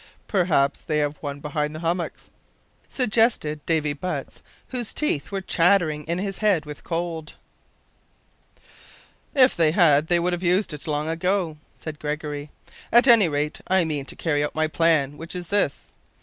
"Perhaps they have one behind the hummocks," suggested Davy Butts, whose teeth were chattering in his head with cold. "If they had they would have used it long ago," said Gregory. "At any rate I mean to carry out my plan which is this.